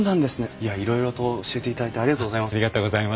いやいろいろと教えていただいてありがとうございます。